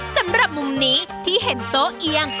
สำหรับมุมนี้ที่เห็นโต๊ะเอียง